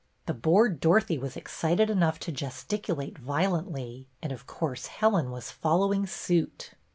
The bored Dorothy was excited enough to gesticulate violently, and, of course, Helen was following suit.